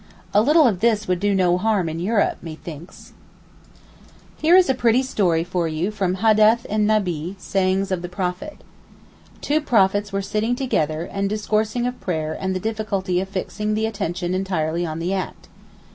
A little of this would do no harm in Europe, methinks. Here is a pretty story for you from the Hadeth en Nebbee (sayings of the Prophet). 'Two prophets were sitting together, and discoursing of prayer and the difficulty of fixing the attention entirely on the act.